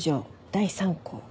第３項。